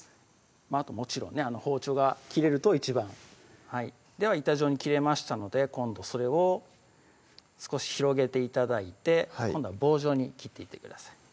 あともちろんね包丁が切れると一番では板状に切れましたので今度それを少し広げて頂いて今度は棒状に切っていってください